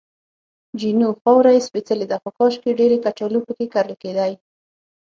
جینو: خاوره یې سپېڅلې ده، خو کاشکې چې ډېرې کچالو پکې کرل کېدای.